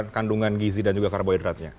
kandungan gizi dan juga karbohidratnya